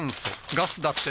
ガス・だって・